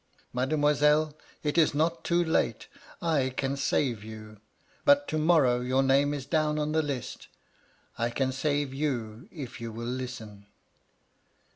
^ Mademoiselle, it is not too late. I can save you ; but to morrow your name is down on the list. I can save you, if you will listen.'